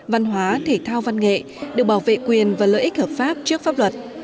văn hóa thể thao văn nghệ được bảo vệ quyền và lợi ích hợp pháp trước pháp luật